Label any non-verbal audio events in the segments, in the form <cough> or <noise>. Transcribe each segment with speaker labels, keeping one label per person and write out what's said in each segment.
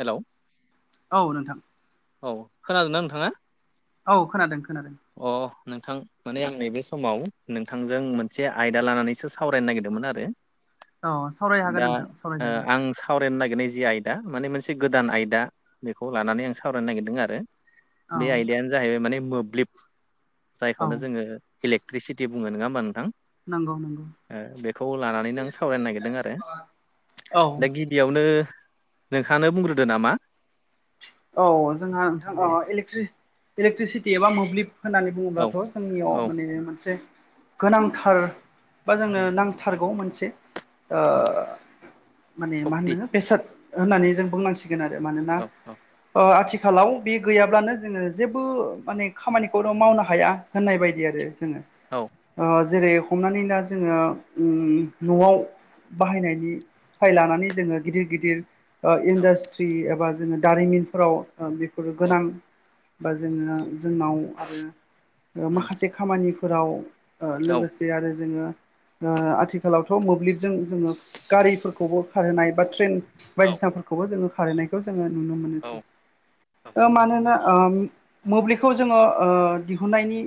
Speaker 1: Hello
Speaker 2: औ नोंथां।
Speaker 1: औ खोनादोंना नोंथाङा?
Speaker 2: औ खोनादों खोनादों।
Speaker 1: अ नोंथां माने आं नैबे समाव नोंथांजों मोनसे आयदा लानानैसो सावरायनो नागिरदोंमोन आरो
Speaker 2: औ सावराय हागोन
Speaker 1: दा
Speaker 2: नोंथां
Speaker 1: ओ
Speaker 2: सावरायजागोन
Speaker 1: आं सावरायनो नागिरनाय जि आयदा माने मोनसे गोदान आयदा बेखौ लानानै आं सावरायनो नागिरदों आरो।
Speaker 2: औ
Speaker 1: बे आयदायानो जाहैबाय माने मोब्लिब
Speaker 2: औ
Speaker 1: जायखौनो जोङो इलेक्ट्रिसिटि बुङो नोङा होमबा नोंथां?
Speaker 2: नंगौ नंगौ
Speaker 1: ओ बेखौ लानानैनो आं सावरायनो नागिरदों आरो
Speaker 2: औ
Speaker 1: दा गि गिबियावनो नोंथाङानो बुंग्रोदो नामा!
Speaker 2: औ जोंहा नोंथां ओ इलेक्ट्रि-इलेक्ट्रिसिटि एबा मोब्लिब होननानै
Speaker 1: औ
Speaker 2: बुङोब्लाथ' जोंनियाव
Speaker 1: औ
Speaker 2: माने मोनसे गोनांथार बा जोंनो
Speaker 1: उम
Speaker 2: नांथारगौ मोनसे ओ
Speaker 1: उम
Speaker 2: माने मा
Speaker 1: सक्ति
Speaker 2: होननो बेसाद होननानै जों बुंनांसिगोन आरो। मानोना
Speaker 1: औ औ
Speaker 2: ओ आथिखालाव बे गैयाब्लानो जोङो जेबो माने खामानिखौ मावनो हाया होननाय बायदि आरो
Speaker 1: औ
Speaker 2: ओ जेरै हमनानै ला जोङो उम न'आव बाहायनायनिफ्राय लानानै जोङो गिदिर गिदिर ओ
Speaker 1: औ
Speaker 2: इन्डास्ट्रि एबा जोङो दारिमिनफोराव बेफोर
Speaker 1: औ
Speaker 2: गोनां बा जोङो जोंनाव आरो ओ
Speaker 1: उम
Speaker 2: माखासे खामानिफोराव ओ
Speaker 1: औ
Speaker 2: लोगोसे आरो जोङो ओ आथिखालावथ' मोब्लिबजों जोङो गारिफोरखौबो खारहोनाय बा ट्रेन
Speaker 1: औ
Speaker 2: बायदिसिनाफोरखौबो जोङो खारैनायखौ जोङो नुनो मोनोसै।
Speaker 1: औ औ
Speaker 2: ओ मानोना ओम मोब्लिबखौ जोङो ओ दिहुननायनि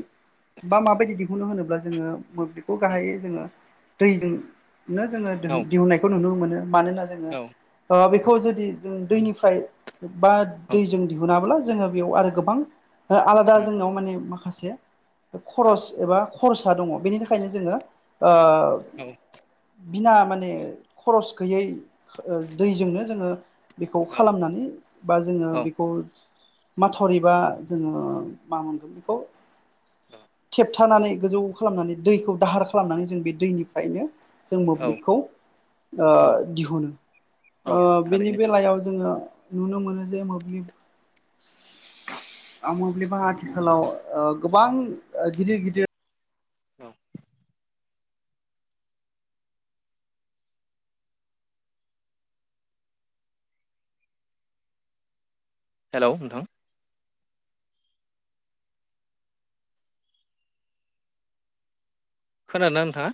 Speaker 2: बा माबायदि दिहुनो होनोब्ला जोङो मोब्लिब खौ
Speaker 1: औ
Speaker 2: गाहायै जोङो दैजोंनो जोङो दिहुननायखौ नुनो मोनो। मानोना
Speaker 1: औ
Speaker 2: ओ बेखौ जुदि जों दैनिफ्राय बा
Speaker 1: औ
Speaker 2: दैजों दिहुनाब्ला जोङो बेयाव आरो गोबां ओ आलादा
Speaker 1: उम
Speaker 2: जोंनाव माने माखासेया
Speaker 1: औ
Speaker 2: खरस एबा खरसा दङ‌ बेनि थाखायनो जोङो ओ
Speaker 1: औ
Speaker 2: बिना माने खरस गैयै दैजोंनो जोङो बेखौ खालामनानै बा जोङो
Speaker 1: औ
Speaker 2: बेखौ माथावरिबा जोङो मा <unintelligible> बेखौ थेबथानानै गोजौ खालामनानै दैखौ दाहार खालामनानै जों बे दैनिफ्रायनो जों
Speaker 1: औ
Speaker 2: मोब्लिबखौ
Speaker 1: औ औ
Speaker 2: दिहुनो बेनि
Speaker 1: थारैनो
Speaker 2: बेलायाव जोङो <unintelligible> <unintelligible> मोब्लिबा आथिखालाव गोबां गिदिर गिदिर
Speaker 1: औ हेलौ नोंथां खोनादोंना नोंथाङा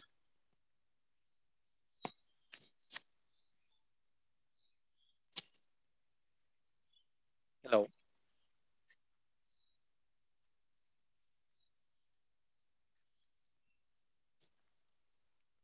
Speaker 1: <unintelligible>